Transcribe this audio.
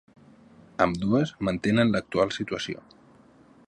Ambdues mantenen l'actual situació.